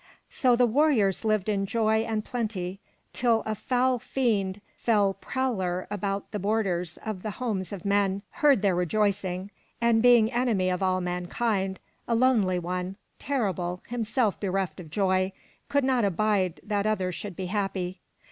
So the warriors lived in joy and plenty, till a foul fiend, fell prowler about the borders of the homes of men, heard their rejoicing, and being enemy of all mankind, a lonely one, terrible, himself bereft of joy, could not abide that others should be happy.